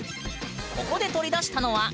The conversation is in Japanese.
ここで取り出したのは何？